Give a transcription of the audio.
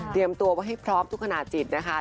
ตัวไว้ให้พร้อมทุกขณะจิตนะคะ